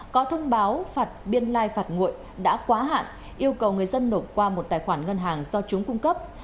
có thông báo phạt biên lai phạt nguội đã quá hạn yêu cầu người dân nộp qua một tài khoản ngân hàng do chúng cung cấp